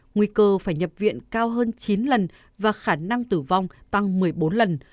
nguy cơ phải nhập viện cao hơn chín lần và khả năng tử vong tăng một mươi bốn lần